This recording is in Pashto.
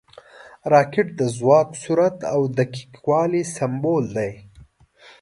راکټ د ځواک، سرعت او دقیق والي سمبول دی